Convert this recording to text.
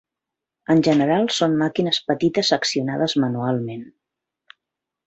En general són màquines petites accionades manualment.